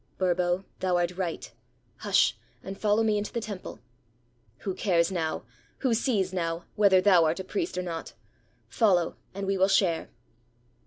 "Burbo, thou art right! Hush! and follow me into the 441 ROME temple. Who cares now — who sees now — whether thou art a priest or not? Follow, and we will share."